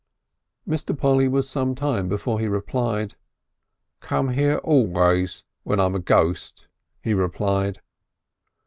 Mr. Polly was some time before he replied. "Come here always when I'm a ghost," he replied.